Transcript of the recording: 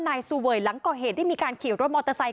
นายสุเวยหลังก่อเหตุได้มีการขี่รถมอเตอร์ไซค์